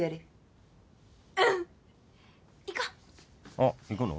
あっ行くの？